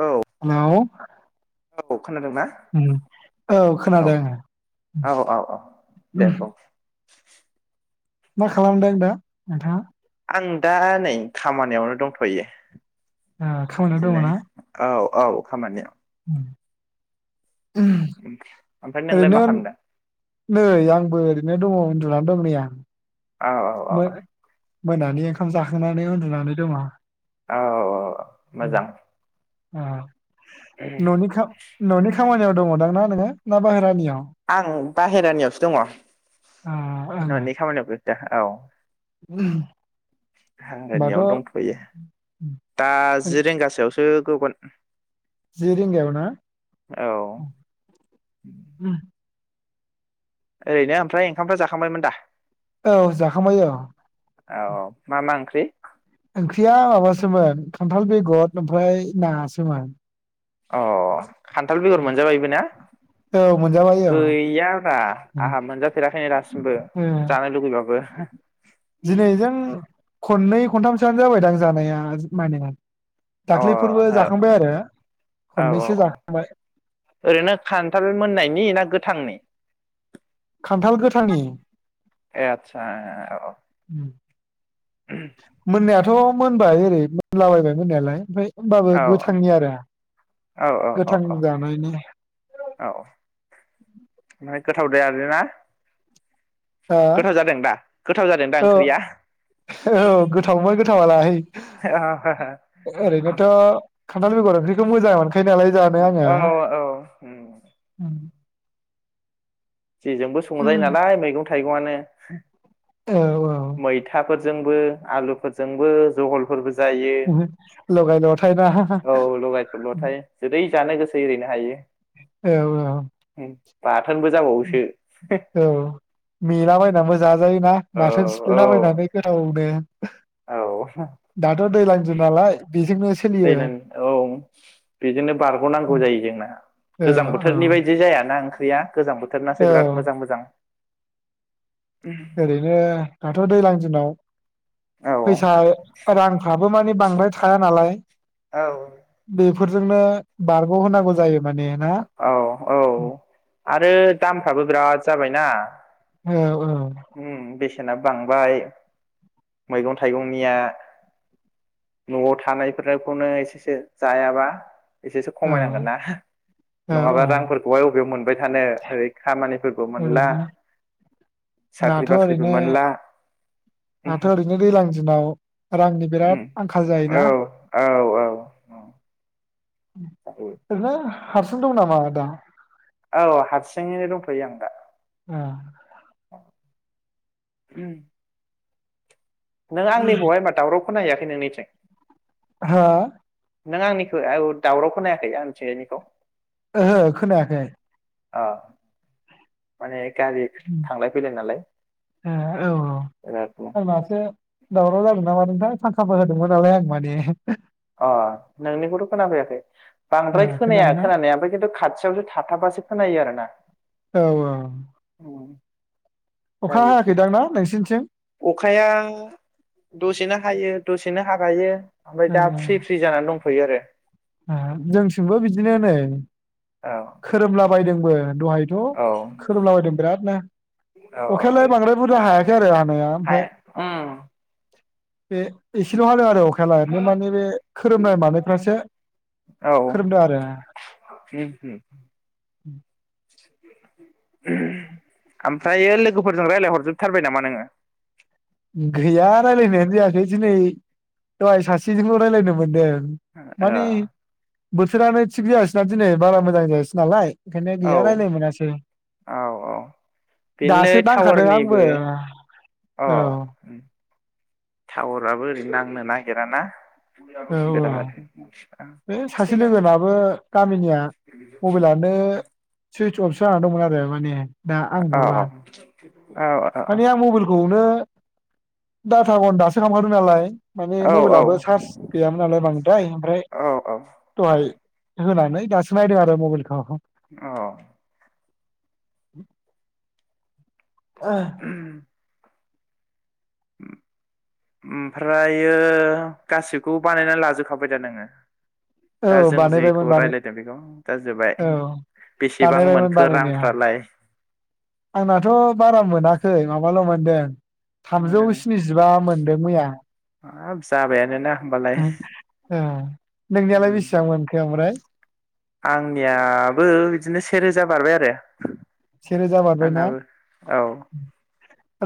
औ नौ औ खोनादोंना औ खोनादों । औ औ औ दे बुं [inaudible] मा खालामदों दा नोंथाङा आं दा नै खामानियावनो दंथ'यो ओ खामानियाव दङ बिदिनो ना औ औ खामानिया ओमफ्राय नोंलाय ओरैनो मा खालामदों नै आंबो ओरैनो दङ जना दं नैआ औ औ औ मोनानि ओंखाम जाखांनानै उन्दुनानै दङ औ औ मोजां अ ननिखा ननि खामानियाव दङ दां न नोङो बाहेरानियाव आं बाहेरानियावसो दङ ओ ननि खामानियावबो औ उम [unintelligible] दंथ'यो दा जि रिंगासोआवसो गगोन जि रिंगायाव ना औ ओरैनो ओमफ्राय ओंखामफ्रा जाखांबायमोन दा औ जाखांबाय औ औ मा मा ओंख्रि ओंख्रिया माबासोमोन खान्थाल बेगर ओमफ्राय नासोमोन अ खान्थाल बेगर मोनजाबायबो ना औ मोनजाबाय औ गैया बा ओ आंहा मोनजाफेराखैनो दासिमबो जानो लुुबैबाबो नो जाबाय दां जानाया माने अ औ दाख्लैफोरबो जाखांबाय आरो औ औ खननैसो औ जाखांबाय ओरैनो खान्थाल मोननायनि ना गोथांनि खान्थाल गोथांनि ए आदसा औ मोननाया थ' मोनबाय ओरै मोनलाबायबाय मोननायालाय ओमफ्राय होमबाबो औ गोथांनि आरो औ औ गोथां औ जानायनि औ ओमफ्राय गोथाव जायालै ना हो दा औ ओंख्रिया औ गोथावमोन गोथावालाय ओरैनोथ' खान्थाल बेगर ओंख्रिखौ मोजां मोनखायो नालाय जानो आङो औ औ जेजोंबो संजायो नालाय मैगं था थाइगंआनो औ औ मैथाफोर जोंबो आलुफोरजोंबो जहलफोरबो जायो लगाय लथायना औ लगाय लथाय जेरै जानो गोसो एरैनो हायो औ औ बाथोनबो जाबाव औ मेलाबायनानैबो जाजायोना औ बाथोन औ सिफ्लेलाबायनानै गोथाव नो औ दाथ' दैलां [unintelligible] नालाय बेजोंनो सोलियो [unintelligible] औ बेजोंनो बारग'नांगौ जायो जोंना औ गोजां औ बोथोरनि बायदि जायाना ओंखा गैया गोजां औ बोथोरनासो बिराद मोजां मोजां ओरैनो दाथ' दैलां दिनाव औ फैसा रांफ्राबो माने बांद्राय थाया नालाय औ बे फोरजोंनो बारग' होनांगौ जायो माने ना औ औ आरो दामफ्राबो बिराद जाबायना औ औ सेनाबो बांबाय मैगं थाइगं निया न'आव थानायफोराखौनो एसेसो जायाबा एसेसो औ खमायनांगोन ना हो औ नङाबा औ रांफोरखौहाय अबे [unintelligible] मोनबाय थानो ओरै खामानिफोरबो मोनला ओरैनो साख्रि दाथ' बाख्रिबो ओरैनो मोनला दाथ' ओरैनो दैलां दिनाव रांनि बिराद आंखाल औ जायोना औ औ [unintelligible] हारसिं दं नामा दा औ हारसिङैनो दंथ'यो आं दा उम नों आंनिखौहाय मा दावराव खौना हैयाखै नोंनिथिं हो नों आंनिखौ आव दावराव खोनायाखै आंनि थिंजायनिखौ ओहो खोनायाखै आ माने गारि उम थांलाय फैलाय नालाय हा औ औ बिरादनो आरो माथो दावराव जादों नामा नोंथां फांखाबो होदोंमोन नालाय आं माने अ नोंनिखौथ' खोनाफैयाखै ओ बांद्राय खोनाया खोनादोंना खोनानाया ओमफाय खिन्थु खाथियावसो थाथाबासो खोनायो आरो ना औ औ औ अखा हायाखै दां ना नोंसिनिथिं अखाया दसेनो हायो दसेनो हागायो ओमफ्राय दा फ्रि फ्रि जानानानै दं फै आरोे जोंथिमबो बिदिनो नै औ खोरोमला बायदोंबो दहायथ' औ खोरोबलाबायदों बिराद मा औ औ अखायालाय बांद्राय बुरजा हायाखै आरो हानाया ओमफ्राय हाया उम बे इसिल' हादों आरो अखायालाय बे माने बे खोरोमनाय मानायफ्रासो औ खोरोमदो आरो उम उम ओमफ्रायो लोगोफोरजों रायलाय हरजोबथारबाय नामा नोङो गैया रायलायनायानो जायाखै दिनै दहाय सासेजोंल' रायलायनो मोनदों माने ए बोथोरानो थिग जायासैना दिनै बारा मोजां जायासै नालाय बेखनो ओ गैया रायलायनो मोनासै औ औ बेनोलै दासो दांखादों टावारनिबो आंबो औ टावराबो ओरैनो नांनो नागिराना औ ज थाखा [unintelligible] बे सासे लोगोनाबो गामिनिया मबाइलानो सुइस अफसो। दंमोन आरो माने औ औ औ औ मानि आं मबाइलखौनो दाथाखौ अन दासो खालामखादों नालाय। माने औ औ मबाइलाबो चार्ज गैयामोन नालाय बांद्राय ओमफ्राय औ दहाय होनानै दासो नायदों आरो मबाइलखौ। औ [unintelligible] [inaudible] ओमफ्रायो गासिखौबो बानायना लाजोबखाबाय दा नोङो? दा जों बानायबायमोन जेखौ बानाय राय्लायदों बेखौ दा जोबाय औ बेसेबां बानायबायमोन मोनखो बानायनाया रांफ्रालाय? आंनाथ बारा मोनाखै माबाल मोनदों। थामजौ उम स्निजिबा मोनदों मैया। हाब जाबायानो ना होमबालाय ओ उम नोंनियालाय बेसेबां मोनखो ओमफ्राय? आंनियाबो बिदिनो से रोजा बारबाय आरो। से रोजा बारबाय ना? आंनाबो औ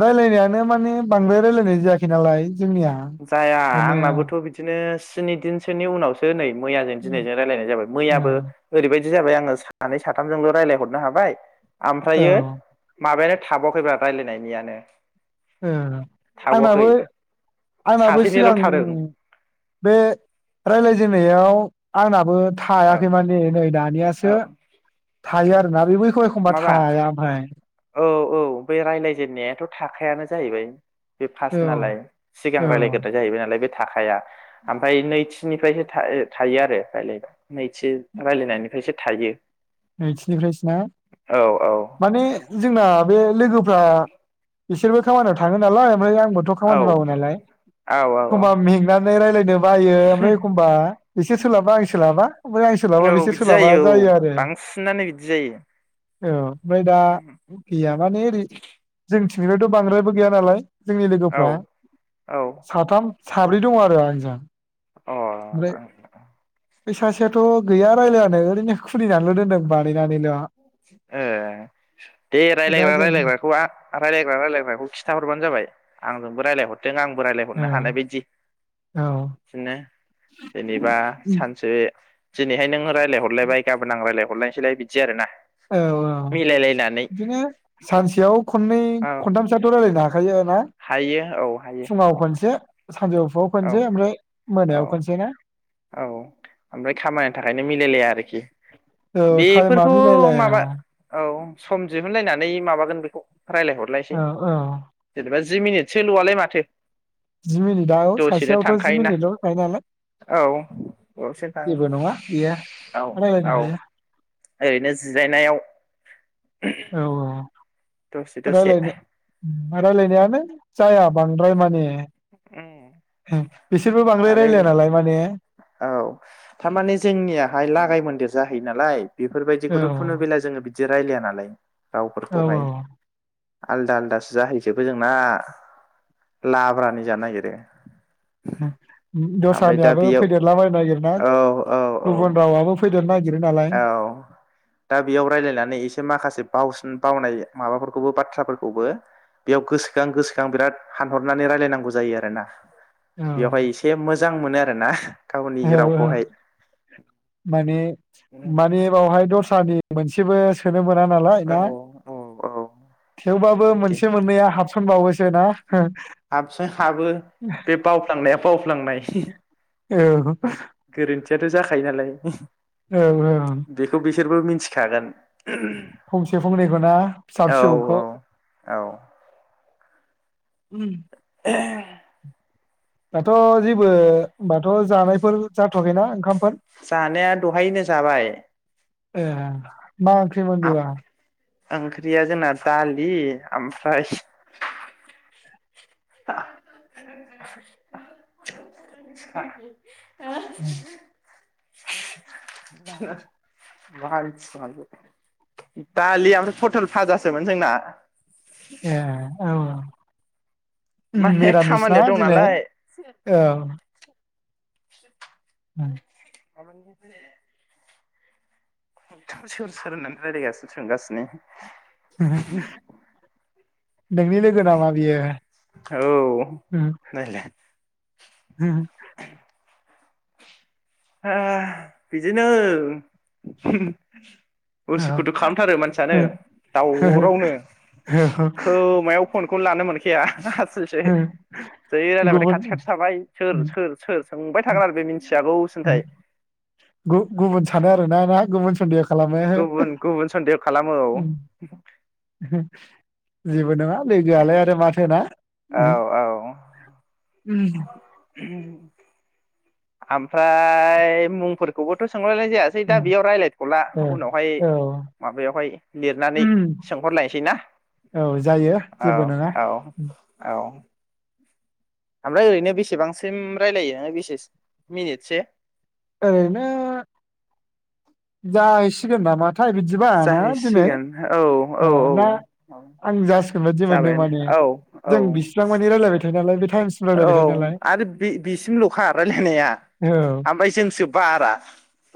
रायलायनायानो माने बांद्राय रायलायनाय जायाखै नालाय। जोंनिया जाया ओंखायनो आंनाबोथ बिदिनो स्नि दिनसोनि उनावसो नै मैयाजों दिनायजों रायलायनाय जाबाय औ मैयाबो ओैरैबायदि बिदि जाबाय आङो सानै साथामजोंल राय्लाय हरनो हाबाय। औ आमफ्रायो माबायानो थाबावाखैब्रा राय्लायनायनियानो। ओ आंनाबो आंनाबो सासेनिल' सिगां थादों बे रायज्लायजेननायाव आंनाबो औ थायाखै माने नै दानियासो औ थायो आरोना बे बैखौ एखमबा माबा थाया ओमफ्राय। औ औ बे राय्लायजेनन्नायाथ थाखायानो जाहैबाय। बे फार्स औ नालाय सिगां औ रायलायग्राय जाहैबाय नालाय बे थाखाया ओमफ्राय नैथिनिफ्रायसो था-थायो आरो रायलायबाय। नै एसे रायलायनायनिफ्रायसो थायो नैथिनिफ्रायसो ना औ माने जोंना बे लोगोफ्रा बिसोरबो खामानियाव थाङो नालाय ओमफ्राय आं बोथ' औ खानि मावो नालाया औ औ औ एखमबा मेंना रायलायनो बायो ओमफ्राय एखमबा बिसोर सोलाबबा आं सोलाबा ओमफ्राय आं सोलाबा बिसोर सोलाबा जायो आरो सिनानौ बिदि जायो औ ओमफ्राय दा गैया माने ओरै जों [unintelligible] बांद्रायबो गैया नालाय जोंनि औ लोगोफ्रा औ साथाम साब्रै दङ आरो आंजों अ ओमफ्राय बै सासेयाथ' गैया रायज्लायानो ओरैनो खुलिनानैल' दोन दों बानायनानैल' ए दे दा रायलायग्रा जों रायज्लायग्राखौ रायज्लायग्रा रायजलायग्राखौ खिन्थााहरबानो जाबाय आंजोंबो रायजलायहर दों आंबो औ राय्लायहरनो हानाय बायदि औ बिदिनो जेनेबा सानसे दिनैहाय नों रायलाय हरबाय गाबोन आं रायलाय हरलायनोसैलाय बिदि आरो ना औ औ बिदिनो सानसेयाव खननै औ खनथामसोथ' रायलायनो हाखायो ना हायो औ हायो फुङाव खनसे सानजौफुआव औ खनसे ओमफ्राय औ मोनायाव खनसे ना औ ओमफ्राय खामानिनि थाखायनो मिलायलाया आरोखि औ थाइमा बेफोरखौ मिलायलाया माबा औ सम दिहुनलायनानै माबागोन बेखौ रायलायहरलायसै औ औ जेनेबा जि मिनिट सोल'आलाय माथो जि मिनिटआव दसेनो सासेयावथ' जि थांखायोना मिनिटल' होखायो नालाय औ दसोनो थांङो जेबो नङा बेयो रायलायनो औ औ हायो ओरैनो जिरायनायाव औ औ दसे दसे रायलायनो रायलायनायानो जाया बांद्राय माने बिसोरबो बांद्राय आरो रायलाया नालाय माने औ थारमाने जोंनियाहाय लागाय मोनदेर जा यो नालाय औ बेफोरबायदिखौथ' खुनुबेला जोङो बिदि रायलाया नालाय औ औ रावफोरखौहाय आलदा आलदासो जाहैजोबो जोंना लाब्रानि जानो नागिरो। ओमफ्राय दा दस्रानियाबो बेयाव फैदेरलाबायनो नागिरना औ औ गुबुन रावाबबो फैदेरनो नागिर औ दा बेयाव रायजलायनानै एसे माखासे बावसिन बा मावनाय माबाफोरखौबो बाथ्राफोरखौबो बेयाव गोसोखां गोसोखां बिराद हानहरनानै रायलायनांगौ जायो आरो ना। औ बेवहाय एसे मोजां मोजां मोनो आरो ना। औ औ माने माने बावहाय दस्रानि मोनसेबो सोनो मोना ना नालाय औ ना औ औ थेवबाबो मोनसे मोननैया हाब सानबावोसो ना हाबसै हाबो बे बावफ्लांनायाव बावफ्लांनाय औ गोरोन्थियाथ' जाखायो नालाय। औ औ बेखौ बिसोरबो मिथि थागोन फंसे फंनैखौ ना फिसा औ फिसौखौ औ औ उम [unintelligible] दाथ' जेबो होमबाथ' जानायफोर जा थ'आखैना ओंखामफोर जानाया दहायनो जाबाय ए मा आख्रि मोन बेबा ओंख्रिया जोंना दालि ओमफ्राय [inaudible] औ दालि ओमफ्राय फटल फाजासोमोन जोंना ए औ माने मिरामिस ना खामानियाव दं दिनै नालाय औ [inaudible] औ [inaudible] ए' सोर सोर होननानै रायज्लायगासिनो सोंगासिनो [unintelligible] नोंनि लोगोनामा बियो औ नायलाय [unintelligible] ह बिदिनो उसु खुथु खालामथारो मानसियानो दावरावनो खोमायाव फनखौ लानो मोनखाया स जै रायजलायबथाय खाथि गुबुन खाथि थाबाय सोर सोर सोर सोंबाय थागोन आरो बे मिन्थियागौ गुबुन सानो आरोना ना गुबुन सन्देह खालामो गुबुन गुबुन सन्देह खालामो औ जेबो नङा लोगोआलाय आरो माथोना औ उम ओमफ्राय मुंफोरखौबोथ सोंलायनाय जायासै दा बेयाव रायज्लायथ'ला ओ, उनावहाय औ माबायावहाय लिरनानै सोंहरलायनोसै ना औ जायो औ जेबो नङा औ औ ओमफ्राय ओरैनो बेसेबांसिम रायजलायो बेसेसो मिनिटसो ओरैनो जाहैसिगोन नामा थाय बिदिबा ना दिनै जाहैसिगोन औ औ ना औ आं जा बादि मोनदों जाबायानो माने औ जों औ बिसिबां माने रायज्लायबाय था औ आरो बे बेसिमल'खा रायलायनाया औ ओमफ्राय जोंसो बारा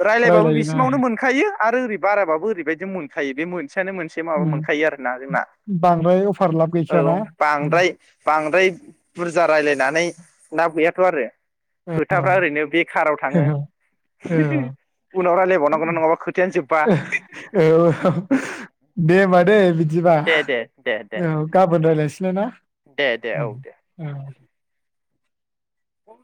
रायज्लायबाबो रायलायोना बिसिमावनो मोनखायो आरो ओरै बाराबो ओरैबायदि मोनखायो बे मोन मोनसेयानो मोनसे माबा उम, मोनखायो आरोना जोंना बांद्राय अफार लाब औ गैखायाना बांद्राय बांद्राय रायलायनानै लाब गैयाथ' आरो औ खोथाफ्रा ओरैनो बे काराव थाङो उनावफ्रा लेबावनांगौना नङाबा खोथायानो जोब्बा औ औ दे होमबा दे बिदिबा दे दे दे दे औ गाबोन दे दे रायज्लायनोसैलाय औ दे ना औ औ